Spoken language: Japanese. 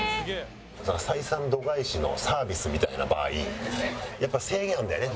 採算度外視のサービスみたいな場合やっぱ制限あるんだよね